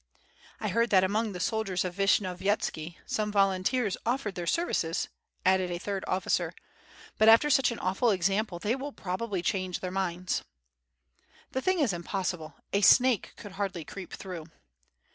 "I heard that among the soldiers of Vishnyovyetski some volunteers offered their services," added a third officer, "but after such an awful example they will probably change their minds." "The thing is impossible, a snake could hardly creep through."